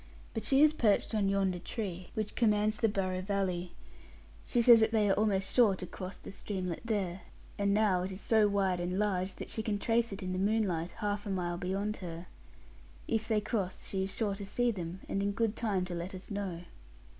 But she is perched on yonder tree, which commands the Barrow valley. She says that they are almost sure to cross the streamlet there; and now it is so wide and large, that she can trace it in the moonlight, half a mile beyond her. If they cross, she is sure to see them, and in good time to let us know.'